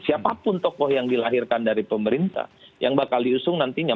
siapapun tokoh yang dilahirkan dari pemerintah yang bakal diusung nantinya